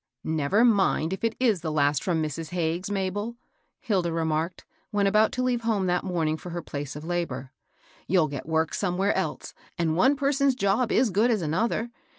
^' Never mind if it is the last firom Mrs. Hag ges's, Mabel," Hilda remarked, when about to leave home that morning for her place of labor ;" you'll get work somewhere else, and one per son's job is good as another.